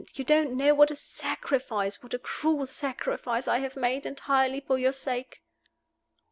You don't know what a sacrifice, what a cruel sacrifice, I have made entirely for your sake.